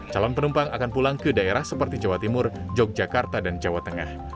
calon penumpang akan pulang ke daerah seperti jawa timur yogyakarta dan jawa tengah